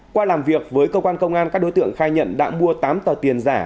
qua làm việc với cơ quan công an các đối tượng khai nhận đã mua tám tờ tiền giả